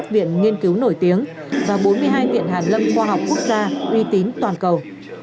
năm mươi một viện nghiên cứu nổi tiếng và bốn mươi hai viện hàn lâm khoa học quốc gia uy tín toàn cầu